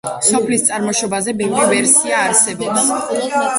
სოფლის წარმოშობაზე ბევრი ვერსია არსებობს.